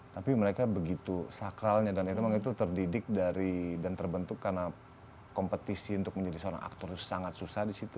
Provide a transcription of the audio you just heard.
tapi mereka begitu sakralnya dan itu memang itu terdidik dari dan terbentuk karena kompetisi untuk menjadi seorang aktor itu sangat susah di situ